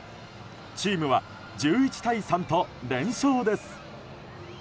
チームは１１対３と連勝です。